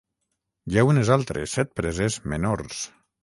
Hi ha unes altres set preses menors.